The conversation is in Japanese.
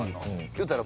言うたら。